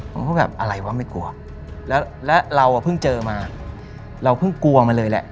ผมก็แบบอะไรวะไม่กลัวแล้วแล้วเราอ่ะเพิ่งเจอมาเราเพิ่งกลัวมาเลยแหละ